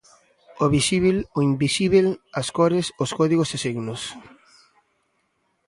O visíbel, o invisíbel, as cores, os códigos e signos.